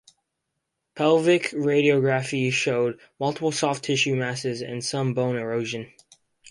Pelvic radiography showed multiple soft-tissue masses and some bone erosion.